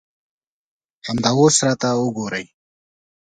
همدا اوس راته وګورئ.